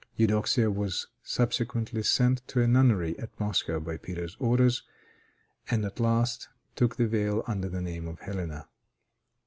Eudoxia was subsequently sent to a nunnery at Moscow by Peter's orders, and at last took the veil under the name of Helena.